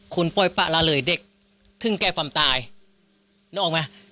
คุณปล่อยปะละเลยเด็กถึงแก่ความตายนึกออกไหม